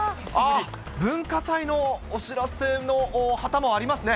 文化祭のお知らせの旗もありますね。